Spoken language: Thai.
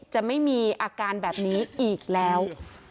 จะไม่มีอาการแบบนี้อีกแล้ว